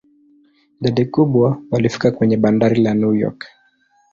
Idadi kubwa walifika kwenye bandari la New York.